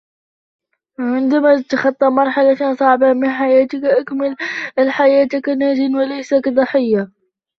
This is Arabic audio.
عندما تتخطى مرحلةً صعبة من حياتك، أكمل الحياة كناجٍ وليس كضحية